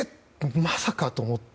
まさかと思って。